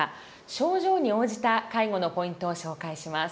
症状に応じた介護のポイントを紹介します。